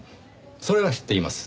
それは知っています。